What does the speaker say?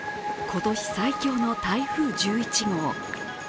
今年最強の台風１１号。